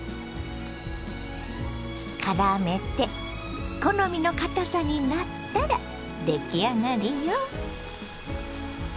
からめて好みのかたさになったら出来上がりよ。